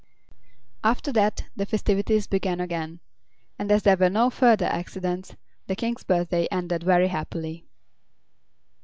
After that the festivities began again, and as there were no further accidents the King's birthday ended very happily.